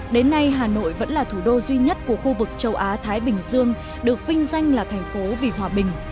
đến nay hà nội vẫn là thủ đô duy nhất của khu vực châu á thái bình dương được vinh danh là thành phố vì hòa bình